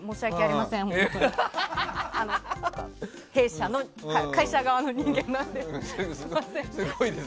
弊社の、会社側の人間なので。